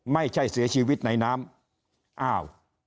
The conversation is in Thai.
ไม่ใช่เสียชีวิตในน้ำอ้าว